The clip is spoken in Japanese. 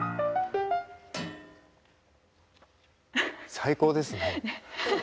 最高ですね。